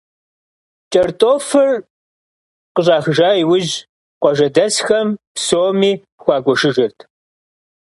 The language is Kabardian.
Кӏэртӏофыр къыщӏахыжа иужь, къуажэдэсхэм псоми хуагуэшыжырт.